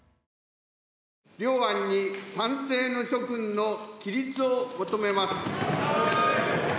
両案に賛成の諸君の起立を求めます。